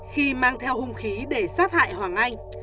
khi mang theo hung khí để sát hại hoàng anh